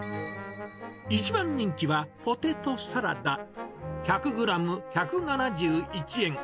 一番人気はポテトサラダ、１００グラム１７１円。